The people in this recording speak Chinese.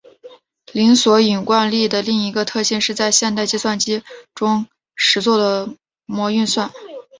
零索引惯例的另一个特性是在现代计算机中实作的模运算。